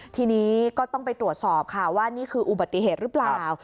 ทีนี้ก็ต้องไปตรวจสอบค่ะว่านี่คืออุบัติเหตุหรือเปล่า